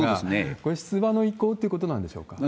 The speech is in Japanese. これ、出馬の意向ってことなんでしょうか？